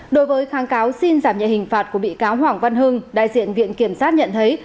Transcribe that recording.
đối với kháng cáo xin giảm nhẹ hình phạt của bị cáo hoàng văn hưng đại diện viện kiểm sát nhận thấy